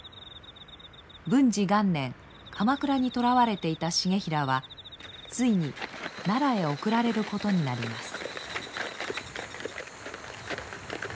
文治元年鎌倉に捕らわれていた重衡はついに奈良へ送られることになります。